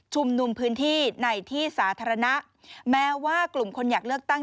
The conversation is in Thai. นุมพื้นที่ในที่สาธารณะแม้ว่ากลุ่มคนอยากเลือกตั้ง